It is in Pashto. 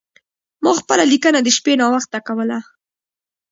ما خپله لیکنه د شپې ناوخته کوله.